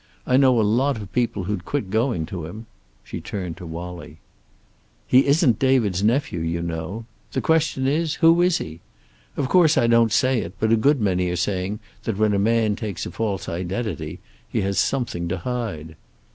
I know a lot of people who'd quit going to him." She turned to Wallie. "He isn't David's nephew, you know. The question is, who is he? Of course I don't say it, but a good many are saying that when a man takes a false identity he has something to hide."